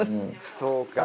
そうか。